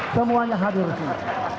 semuanya hadir di sini